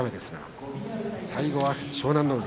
最後は湘南乃海。